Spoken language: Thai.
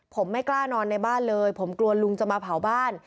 ผมไม่กล้านอนในบ้านเลยผมกลัวลุงจะมาเผาบ้าน